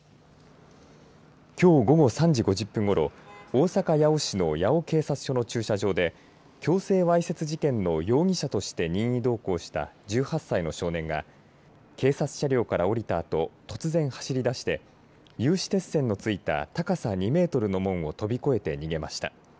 きょう午後３時５０分ごろ大阪、八尾市の八尾警察署の駐車場で強制わいせつ事件の容疑者として任意同行した１８歳の少年が警察車両から降りたあと突然、走り出して有刺鉄線のついた高さ２メートルの門を飛び越えて逃げました。